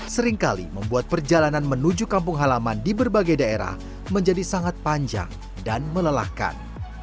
seringkali membuat perjalanan menuju kampung halaman di berbagai daerah menjadi sangat panjang dan melelahkan